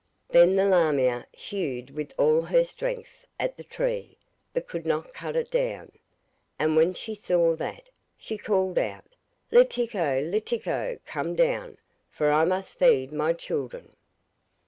Then the lamia hewed with all her strength at the tree, but could not cut it down. And when she saw that, she called out: 'Letiko, Letiko, come down, for I must feed my children.